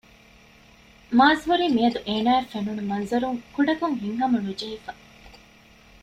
މާޒް ހުރީ މިއަދު އޭނާއަށް ފެނުނު މަންޒަރުން ކުޑަކޮށް ހިތްހަމަނުޖެހިފަ